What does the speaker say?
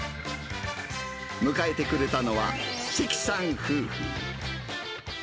迎えてくれたのは、関さん夫婦。